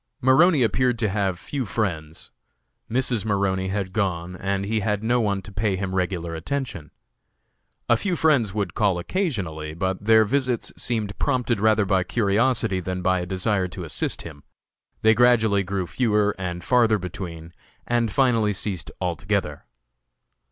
Maroney appeared to have few friends. Mrs. Maroney had gone, and he had no one to pay him regular attention. A few friends would call occasionally, but their visits seemed prompted rather by curiosity than by a desire to assist him, they gradually grew fewer and farther between, and finally ceased altogether.